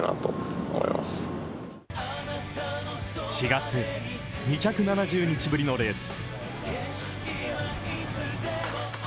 ４月、２７０日ぶりのレース。